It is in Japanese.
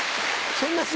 そんなの。